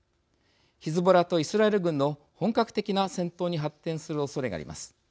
ヒズボラとイスラエル軍の本格的な戦闘に発展するおそれがあります。